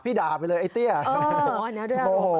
ด่าไปเลยไอ้เตี้ยโมโห